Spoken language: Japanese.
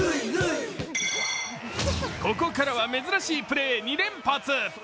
ここからは珍しいプレー２連発。